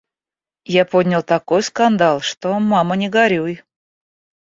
Я поднял такой скандал, что мама не горюй!